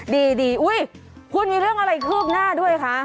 ดีอุ๊ยคุณมีเรื่องอะไรคืบหน้าด้วยคะ